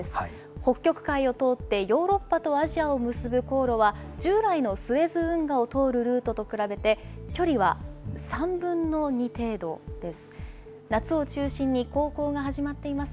北極海を通ってヨーロッパとアジアを結ぶ航路は、従来のスエズ運河を通るルートと比べて、距離は３分の２程度です。